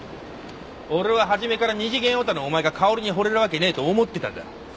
俺は初めから２次元オタのお前が佳織にほれるわけねえと思ってたんだ。